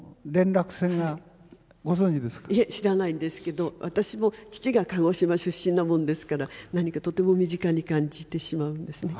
いえ知らないんですけど私も父が鹿児島出身なもんですから何かとても身近に感じてしまうんですね。